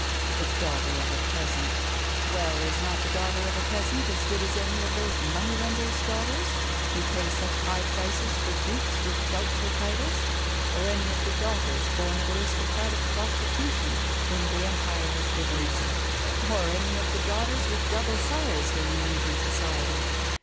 The daughter of a peasant! Well, is not the daughter of a peasant as good as any of those money lenders' daughters who pay such high prices for dukes with doubtful titles, or any of the daughters born of aristocratic prostitution whom the Empire has given us, or any of the daughters with double sires whom we meet in society?